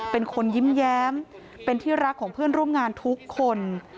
เป็นคนยิ้มแย้มเป็นที่รักของเพื่อนร่วมงานทุกคน